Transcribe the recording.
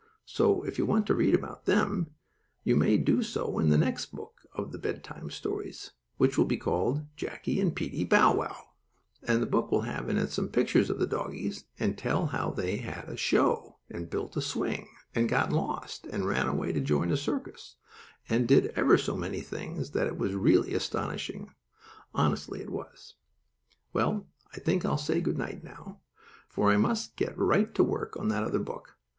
So if you want to read about them you may do so in the next book of the Bed Time series, which will be called "Jackie and Peetie Bow Wow," and the book will have in it some pictures of the doggies; and tell how they had a show, and built a swing, and got lost, and ran away to join a circus, and did ever so many things that it was really astonishing; honestly it was! Well, I think I'll say good night now, for I must get right to work on that other book.